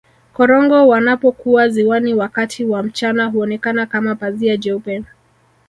korongo wanapokuwa ziwani wakati wa mchana huonekana kama pazia jeupe